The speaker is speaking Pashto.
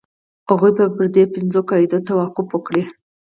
هغوی به پر دې پنځو قاعدو توافق وکړي.